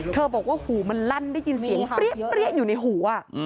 บอกว่าหูมันลั่นได้ยินเสียงเปรี้ยอยู่ในหู